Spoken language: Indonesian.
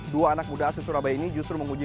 dua anak muda asli surabaya ini justru menguji